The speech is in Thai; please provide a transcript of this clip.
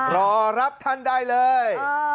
รอรับท่านได้เลย